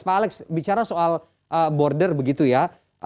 pak alex bicara soal border begitu ya